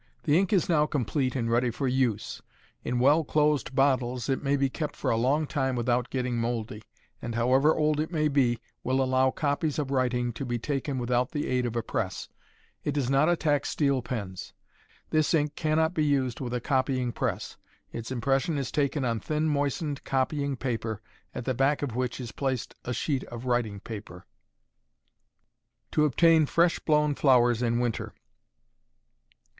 The ink is now complete and ready for use. In well closed bottles it may be kept for a long time without getting mouldy, and, however old it may be, will allow copies of writing to be taken without the aid of a press. It does not attack steel pens. This ink cannot be used with a copying press. Its impression is taken on thin moistened copying paper, at the back of which is placed a sheet of writing paper. _To Obtain Fresh Blown Flowers in Winter.